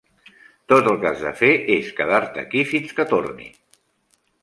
Tot el que has de fer és quedar-te aquí fins que torni.